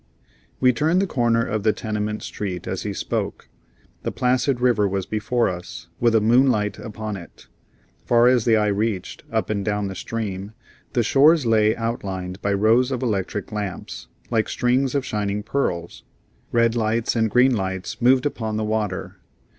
We turned the corner of the tenement street as he spoke. The placid river was before us, with the moonlight upon it. Far as the eye reached, up and down the stream, the shores lay outlined by rows of electric lamps, like strings of shining pearls; red lights and green fights moved upon the water.